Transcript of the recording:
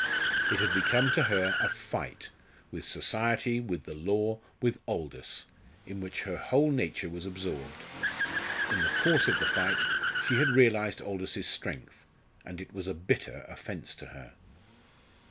It had become to her a fight with society, with the law, with Aldous in which her whole nature was absorbed. In the course of the fight she had realised Aldous's strength, and it was a bitter offence to her.